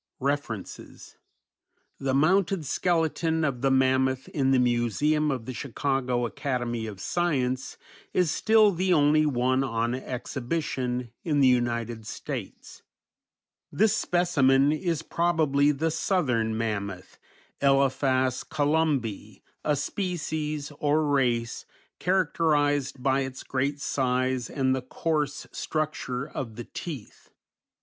_ REFERENCES _The mounted skeleton of the mammoth in the museum of the Chicago Academy of Science is still the only one on exhibition in the United States; this specimen is probably the Southern Mammoth, Elephas columbi, a species, or race, characterized by its great size and the coarse structure of the teeth.